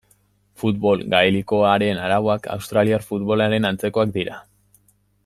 Futbol gaelikoaren arauak australiar futbolaren antzekoak dira.